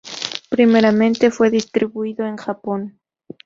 Primeramente fue distribuido en Japón.